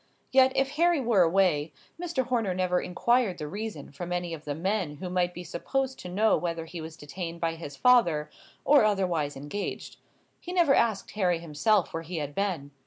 Yet, if Harry were away, Mr. Horner never inquired the reason from any of the men who might be supposed to know whether he was detained by his father, or otherwise engaged; he never asked Harry himself where he had been.